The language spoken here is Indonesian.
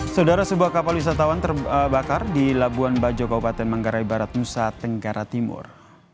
saudara sebuah kapal wisatawan terbakar di labuan bajo kabupaten manggarai barat nusa tenggara timur